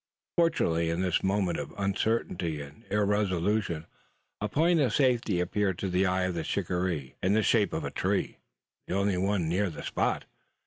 Fortunately in this moment of uncertainty and irresolution a point of safety appeared to the eye of the shikaree, in the shape of a tree the only one near the spot.